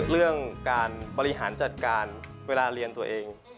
เรื่องการบริหารจัดการเวลาเรียนตัวเอง